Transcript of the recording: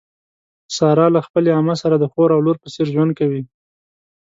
ساره له خپلې عمه سره د خور او لور په څېر ژوند کوي.